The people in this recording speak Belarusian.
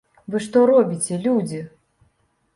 Вы што робіце, людзі?